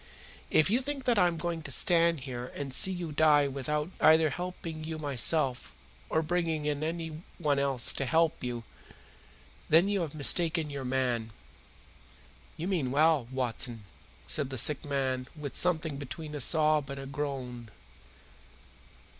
If you think that I am going to stand here and see you die without either helping you myself or bringing anyone else to help you, then you have mistaken your man." "You mean well, Watson," said the sick man with something between a sob and a groan.